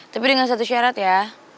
tapi dengan satu syarat ya